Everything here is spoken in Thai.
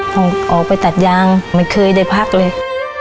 ออกไปตัดยางไม่เคยได้พักเลย